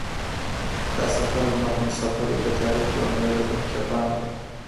دا سفر زما د مسافرۍ د تاریخ یوه نه هېرېدونکې پاڼه وه.